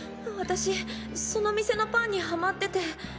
私その店のパンにハマってて。